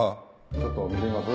ちょっと見てみます？